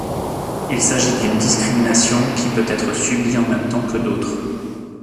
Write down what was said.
Il s'agit d'une discrimination qui peut être subie en même temps que d'autres.